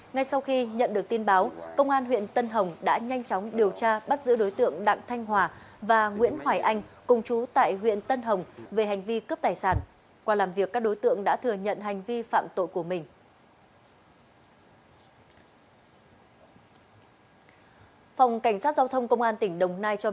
ngay sau khi nhận được tin báo công an huyện tân hồng đã nhanh chóng điều tra bắt giữ đối tượng đặng thanh hòa và nguyễn hoài anh công chú tại huyện tân hồng về hành vi cướp tài sản qua làm việc các đối tượng đã thừa nhận hành vi phạm tội của mình